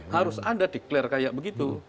harus anda declare kayak begitu